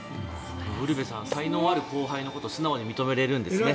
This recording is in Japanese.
ウルヴェさん才能ある後輩のことを素直に褒められるんですね。